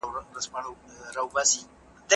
آیا ته پوهیږې چې زکات د اسلام یو مهم رکن دی؟